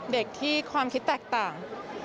เด็กที่ความคิดแตกต่าง